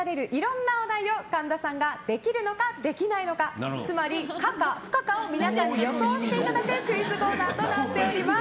いなお題を神田さんができるのか、できないのかつまり可か不可化を皆さんに予想してもらうクイズコーナーとなっております。